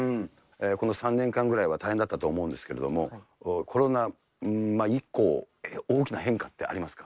この３年間ぐらいは大変だったと思うんですけれども、コロナ以降、大きな変化ってありますか？